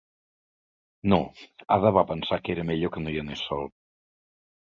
No, Ada va pensar que era millor que no hi anés sol.